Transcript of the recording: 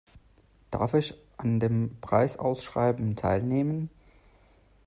Darf ich an dem Preisausschreiben teilnehmen?